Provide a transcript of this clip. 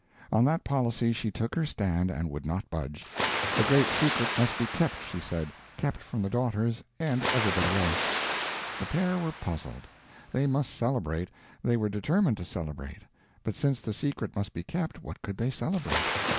On that policy she took her stand, and would not budge. The great secret must be kept, she said kept from the daughters and everybody else. The pair were puzzled. They must celebrate, they were determined to celebrate, but since the secret must be kept, what could they celebrate?